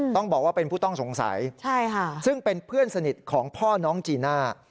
ต้องบอกว่าเป็นผู้ต้องสงสัยซึ่งเป็นเพื่อนสนิทของพ่อน้องจีน่า